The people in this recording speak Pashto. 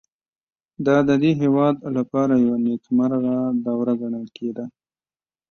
دا د دې هېواد لپاره یوه نېکمرغه دوره ګڼل کېده